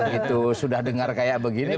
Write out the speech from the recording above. itu sudah dengar kayak begini